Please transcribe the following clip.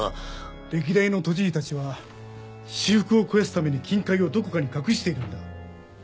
歴代の都知事たちは私腹を肥やすために金塊をどこかに隠しているんだ。